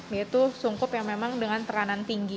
yaitu sungkup yang memang dengan tekanan tinggi